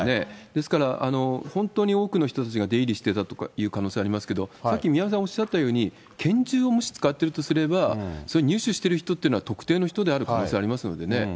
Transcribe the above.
ですから本当に多くの人たちが出入りしていたという可能性ありますけど、さっき宮根さんおっしゃったように、拳銃をもし使っているとすれば、入手している人というのは特定の人である可能性ありますのでね。